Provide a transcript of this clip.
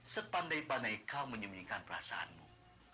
sepandai pandai kau menyembunyikan perasaanmu